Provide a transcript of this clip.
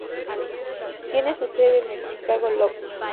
Tiene su sede en el Chicago Loop.